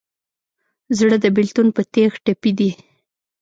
زړه د بېلتون په تیغ ټپي دی.